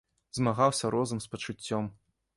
Змагаўся розум з пачуццём.